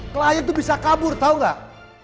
klien tuh bisa kabur tau gak